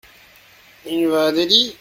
Il va à Delhi ?